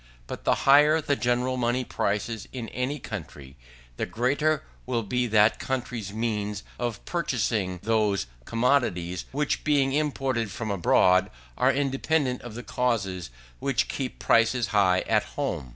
But the higher the general money prices in any country, the greater will be that country's means of purchasing those commodities which, being imported from abroad, are independent of the causes which keep prices high at home.